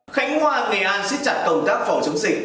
khánh hoa nghệ an siết chặt công tác phòng chống dịch